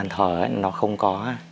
nó sẽ không có